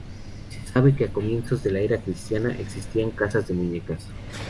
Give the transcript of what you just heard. Y se sabe que a comienzos de la era cristiana existían casas de muñecas.